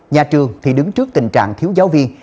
nhà trường thì đứng trước tình trạng thiếu giáo viên